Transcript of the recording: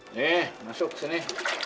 nih masuk kesini